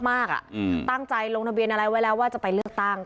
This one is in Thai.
ตั้งใจลงทะเบียนอะไรไว้แล้วว่าจะไปเลือกตั้ง